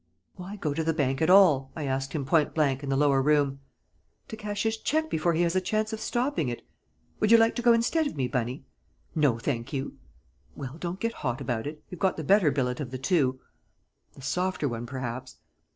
"Why go to the bank at all?" I asked him point blank in the lower room. "To cash his cheque before he has a chance of stopping it. Would you like to go instead of me, Bunny?" "No, thank you!" "Well, don't get hot about it; you've got the better billet of the two." "The softer one, perhaps."